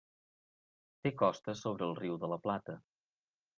Té costes sobre el Riu de la Plata.